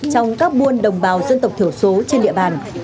trong các buôn đồng bào dân tộc thiểu số trên địa bàn